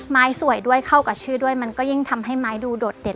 สวยด้วยเข้ากับชื่อด้วยมันก็ยิ่งทำให้ไม้ดูโดดเด่น